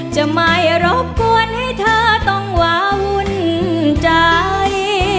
จะไม่รบกวนให้เธอต้องวาวุ่นใจ